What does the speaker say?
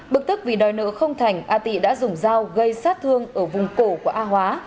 bực tức vì đòi nợ không thành a tị đã dùng dao gây sát thương ở vùng cổ của a hóa